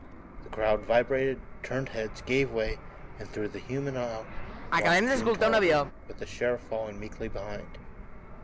The crowd vibrated, turned heads, gave way, and through the human aisle walked June Tolliver with the sheriff following meekly behind.